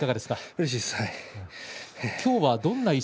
うれしいですね。